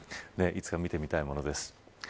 いつか見てみたいものです。